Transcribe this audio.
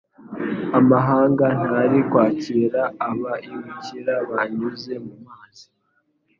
amahanga ntari kwakira abaimukira banyuze mumazi